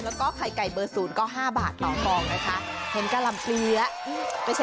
แล้วก็ไข่ไก่เบอร์๐ก็๕บาทต่อฟองนะคะ